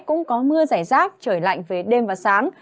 cũng có mưa rải rác trời lạnh về đêm và sáng